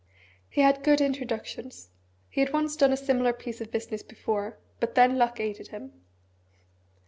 He had good introductions. He had once done a similar piece of business before but then luck aided him.